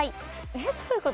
えっどういう事？